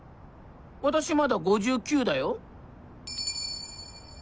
私まだ５９だよ。